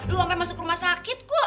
lu sampai masuk rumah sakit kok